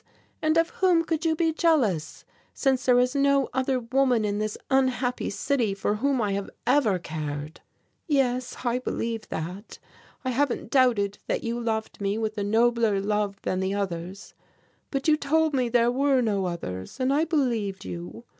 And of whom could you be jealous, since there is no other woman in this unhappy city for whom I have ever cared?" "Yes, I believe that. I haven't doubted that you loved me with a nobler love than the others, but you told me there were no others, and I believed you.